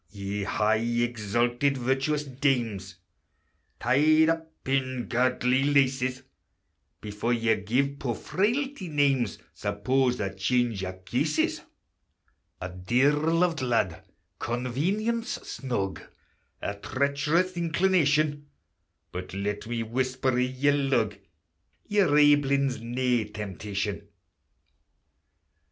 Ye high, exalted, virtuous dames, Tied up in godly laces, Before ye gie poor Frailty names, Suppose a change o' cases; A dear loved lad, convenience snug, A treacherous inclination, But, let me whisper i' your lug, Ye 're aiblins nae temptation.